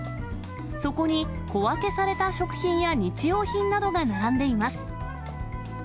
そこに、小分けされた食品や日用品などが並んでいます。